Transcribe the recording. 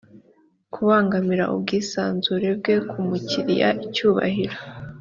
kubangamira ubwisanzure bwe ku mukiriya icyubahiro